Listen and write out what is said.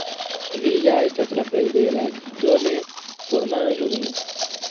Vi ja estas la plej belaj, do ne formanĝu min.